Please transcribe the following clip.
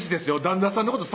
旦那さんのこと